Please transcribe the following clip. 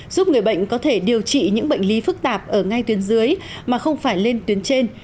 giúp người bệnh có thể điều trị những bệnh lý phức tạp ở ngay tuyến dưới mà không phải lên tuyến trên